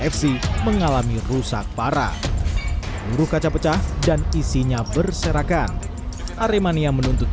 fc mengalami rusak parah buruh kaca pecah dan isinya berserakan aremania menuntut